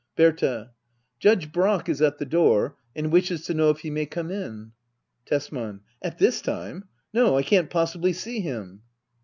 Berta. Judge Brack is at the door, and wishes to know if he may come in. Tesman. At this time ! No, I can't possibly see him.